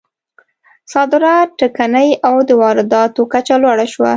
صادرات ټکني او د وارداتو کچه لوړه شوه.